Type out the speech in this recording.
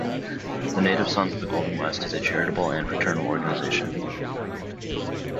The Native Sons of the Golden West is a charitable and fraternal organization.